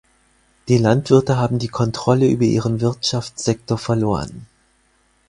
Die Landwirte haben die Kontrolle über ihren Wirtschaftssektor verloren.